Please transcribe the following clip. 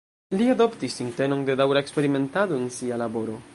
Li adoptis sintenon de daŭra eksperimentado en sia laboro.